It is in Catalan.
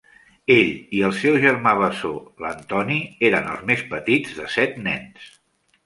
Ell i el seu germà bessó, l'Antoni, eren els més petits de set nens.